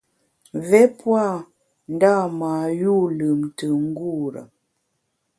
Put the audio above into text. Mvé pua ndâ mâ yû lùmntùm ngure.